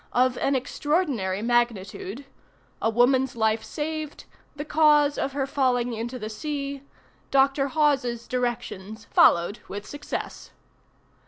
of an extraordinary magnitude A woman's life saved The cause of her falling into the sea Dr. Hawes' directions followed with success.